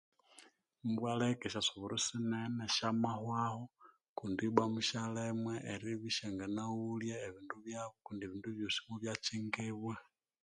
Mubwaleka esyasuburu sinene syamahwahu kundi iba musyalhemwa eribya isyanganaghulya ebindu byabu kundi iba ebindu byosi mubyakyingibwa